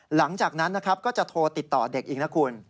หลังจากนั้นนะครับก็จะโทรติดต่อเด็กอีกนะคุณ